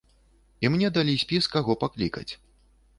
І мне далі спіс каго паклікаць.